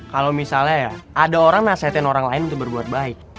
kalau misalnya ya ada orang nasihatin orang lain untuk berbuat baik